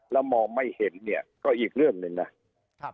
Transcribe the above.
แล้วมองไม่เห็นเนี่ยก็อีกเรื่องหนึ่งนะครับ